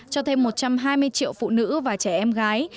cho thêm một trăm hai mươi triệu phụ nữ và trẻ em gái